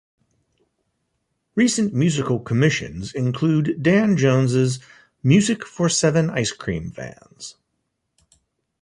Recent musical commissions include Dan Jones's "Music For Seven Ice Cream Vans".